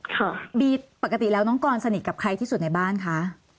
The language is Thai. บีปกติแล้วน้องกรสนิทกับใครที่สุดในบ้านคะ